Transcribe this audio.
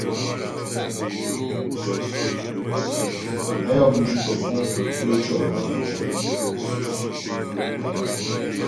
Nə́ yɔ́ mjwi pəpuŋ pé tʉɔ' bə á tʉɔ̀.